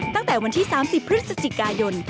ตั้งแต่วันที่๓๐พฤศจิกายน